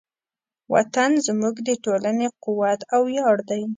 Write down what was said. وطن زموږ د ټولنې قوت او ویاړ دی.